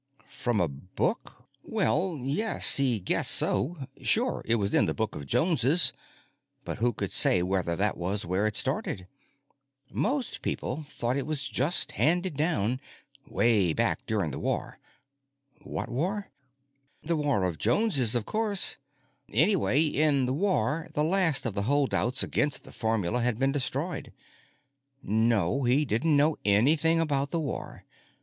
From a book? Well yes, he guessed so; sure it was in the Book of Joneses, but who could say whether that was where it started. Most people thought it was just Handed Down. Way back during the war—what war? The War of the Joneses, of course! Anyway, in the war the last of the holdouts against the formula had been destroyed. No, he didn't know anything about the war.